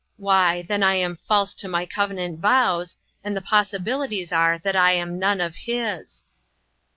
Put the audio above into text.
Why, then I am false LIFTED UP. 91 to my covenant vows, and the possibilities are that I am none of His.